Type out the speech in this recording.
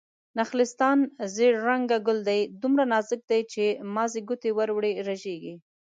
نخلستان: زيړ رنګه ګل دی، دومره نازک دی چې مازې ګوتې ور وړې رژيږي